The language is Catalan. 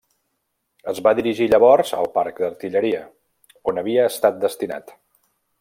Es va dirigir llavors al Parc d'Artilleria, on havia estat destinat.